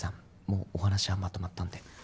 もうお話はまとまったんで。